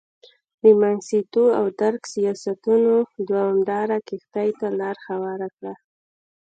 د منګستیو او درګ سیاستونو دوامداره قحطۍ ته لار هواره کړه.